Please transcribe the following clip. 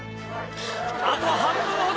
あと半分ほど！